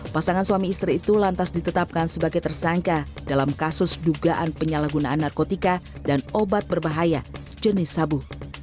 pasangan suami istri itu lantas ditetapkan sebagai tersangka dalam kasus dugaan penyalahgunaan narkotika dan obat berbahaya jenis sabu